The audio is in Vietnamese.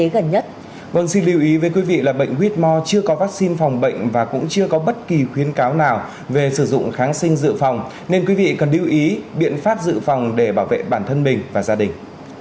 xin lưu ý với quý vị là bệnh whore chưa có vaccine phòng bệnh và cũng chưa có bất kỳ khuyến cáo nào về sử dụng kháng sinh dự phòng nên quý vị cần lưu ý biện pháp dự phòng để bảo vệ bản thân mình và gia đình